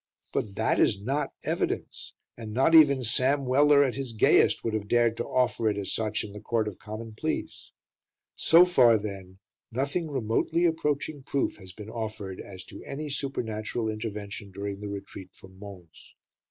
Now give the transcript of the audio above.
But that is not evidence; and not even Sam Weller at his gayest would have dared to offer it as such in the Court of Common Pleas. So far, then, nothing remotely approaching proof has been offered as to any supernatural intervention during the Retreat from Mons.